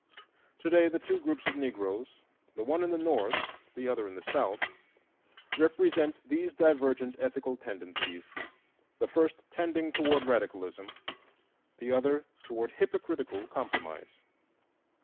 To day the two groups of Negroes, the one in the North, the other in the South, represent these divergent ethical tendencies, the first tending toward radicalism, the other toward hypocritical compromise.